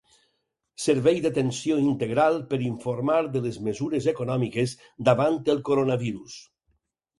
Servei d'atenció integral per informar de les mesures econòmiques davant el coronavirus.